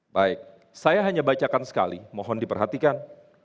baik saya hanya bacakan sekali mohon diperhatikan